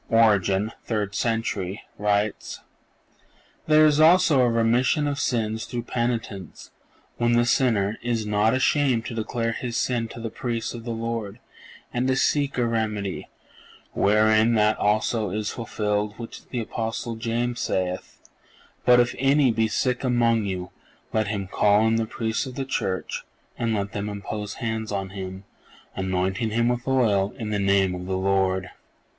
Origen (third century) writes: "There is also a remission of sins through penitence, when the sinner ... is not ashamed to declare his sin to the Priest of the Lord, and to seek a remedy ... wherein that also is fulfilled which the Apostle James saith: '_But if any be sick among you, let him call in the Priests of the Church, and let them impose hands on him, anointing him with oil in the name of the Lord_.